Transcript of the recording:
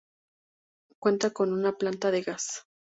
Cuenta con una planta de gas.